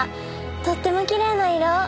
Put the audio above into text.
とってもきれいな色。